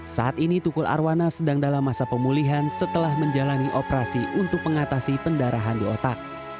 saat ini tukul arwana sedang dalam masa pemulihan setelah menjalani operasi untuk mengatasi pendarahan di otak